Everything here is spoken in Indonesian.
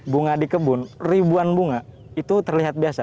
bunga di kebun ribuan bunga itu terlihat biasa